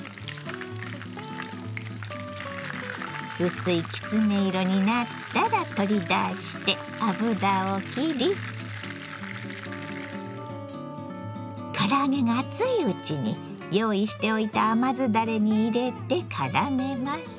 薄いきつね色になったら取り出して油をきり唐揚げが熱いうちに用意しておいた甘酢だれに入れてからめます。